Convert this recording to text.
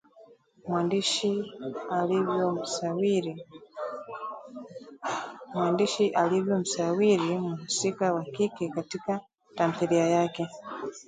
mwandishi alivyomsawiri mhusika wa kike katika tamthilia yake